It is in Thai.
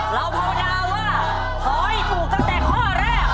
เราโปรดาว่าถอยถูกตั้งแต่ข้อแรก